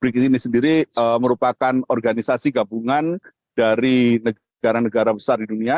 brigis ini sendiri merupakan organisasi gabungan dari negara negara besar di dunia